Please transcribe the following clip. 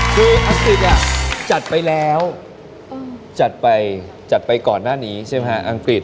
คืออังกฤษจัดไปแล้วจัดไปจัดไปก่อนหน้านี้ใช่ไหมฮะอังกฤษ